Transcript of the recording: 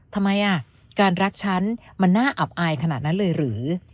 ทำไมการรักฉันมันน่าอับอายขนาดนั้นเลยหรือ